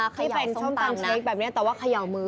ขยาวส้มตำนะที่เป็นส้มตำเชคแบบนี้แต่ว่าขยาวมือ